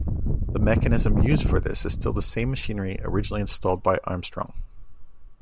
The mechanism used for this is still the same machinery originally installed by Armstrong.